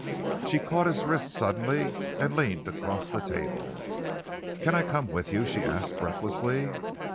She caught his wrist suddenly and leaned across the table. "Can I come with you?" she asked breathlessly.